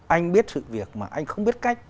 anh biết sự việc mà anh không biết cách